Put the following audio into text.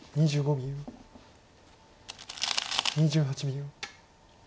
２８秒。